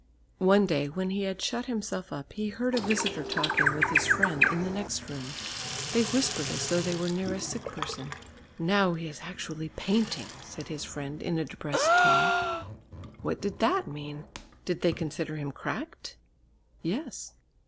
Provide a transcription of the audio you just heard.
One day when he had shut himself up he heard a visitor talking with his friend in the next room. They whispered as though they were near a sick person. "Now he is actually painting," said his friend in a depressed tone. What did that mean? Did they consider him cracked? Yes.